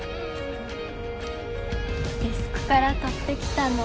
デスクから盗って来たの？